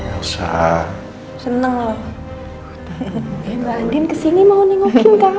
elsa seneng loh mbak andien kesini mau nengokin kamu